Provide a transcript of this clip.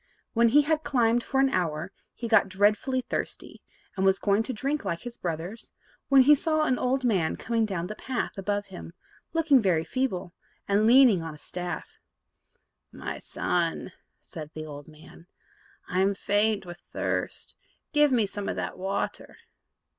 When he had climbed for an hour, he got dreadfully thirsty, and was going to drink like his brothers, when he saw an old man coming down the path above him, looking very feeble, and leaning on a staff. "My son," said the old man, "I am faint with thirst, give me some of that water."